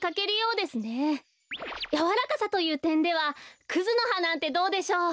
やわらかさというてんではクズのはなんてどうでしょう？